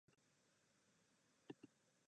ただ、彼の意志の強さだけは隊員達は理解した